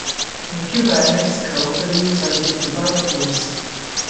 In Cuba and Mexico, the leaves are used in barbecues.